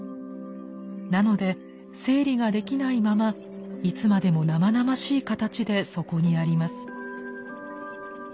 なので整理ができないままいつまでも生々しい形でそこにあります。